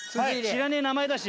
知らねぇ名前だし。